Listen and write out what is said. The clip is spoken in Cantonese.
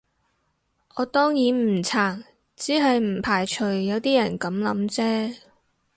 我當然唔撐，只係唔排除有啲人噉諗啫